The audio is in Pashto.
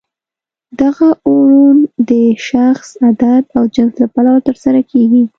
دغه اوړون د شخص، عدد او جنس له پلوه ترسره کیږي.